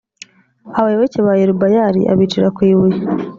abayoboke ba yerubayali abicira ku ibuye